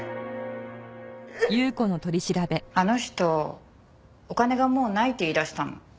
あの人お金がもうないって言いだしたの。